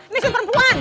nih sun perempuan